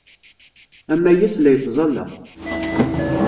Amayas la yettẓalla.